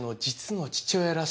実の父親！？